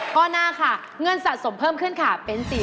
ข้อหน้าค่ะเนื่องสะสมเพิ่มขึ้นค่ะเป็น๔๐๐๐บาท